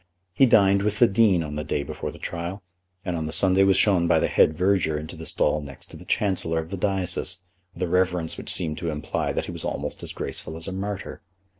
He dined with the Dean on the day before the trial, and on the Sunday was shown by the head verger into the stall next to the Chancellor of the Diocese, with a reverence which seemed to imply that he was almost as graceful as a martyr.